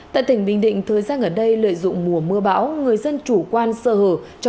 tại tỉnh bình định thời gian gần đây lợi dụng mùa mưa bão